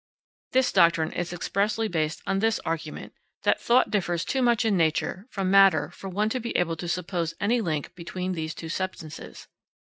This doctrine is expressly based on this argument that thought differs too much in nature from matter for one to be able to suppose any link between these two substances.